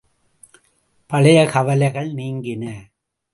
பழைய கவலைகள் நீங்கின.